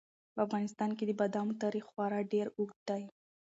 په افغانستان کې د بادامو تاریخ خورا ډېر اوږد دی.